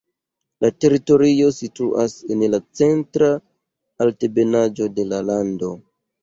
La teritorio situas en la centra altebenaĵo de la lando.